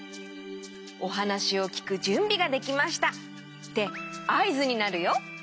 おはなしをきくじゅんびができましたってあいずになるよ。